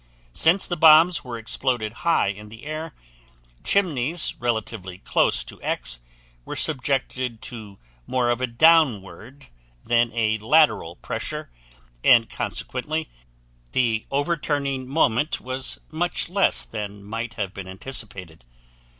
Since the bombs were exploded high in the air, chimneys relatively close to X were subjected to more of a downward than a lateral pressure, and consequently the overturning moment was much less than might have been anticipated.